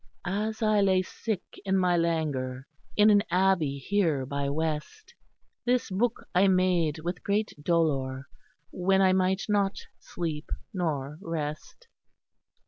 "As I lay sick in my languor In an abbey here by west; This book I made with great dolour, When I might not sleep nor rest.